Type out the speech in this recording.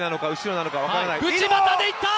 内股でいった！